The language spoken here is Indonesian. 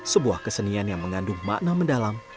sebuah kesenian yang mengandung makna mendalam